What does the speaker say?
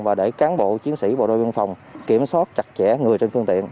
và để cán bộ chiến sĩ bộ đội biên phòng kiểm soát chặt chẽ người trên phương tiện